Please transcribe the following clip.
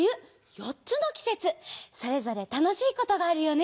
４つのきせつそれぞれたのしいことがあるよね。